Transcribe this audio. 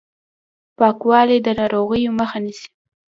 پاکوالی د ناروغیو مخه نیسي.